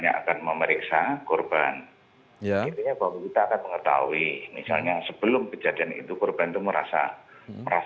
yang terbatas kita diberi kesempatan untuk bicara